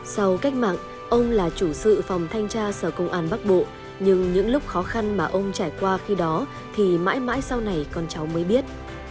sau cách mạng ông là chủ sự phòng thanh tra sở công an bắc bộ nhưng những lúc khó khăn mà ông trải qua khi đó thì mãi mãi sau này con cháu mới biết